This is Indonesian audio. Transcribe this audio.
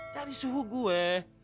dari suhu gue